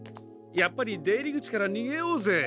やっぱりでいりぐちからにげようぜ。